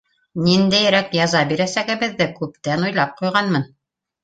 — Ниндәйерәк яза бирәсәгебеҙҙе күптән уйлап ҡуйғанмын.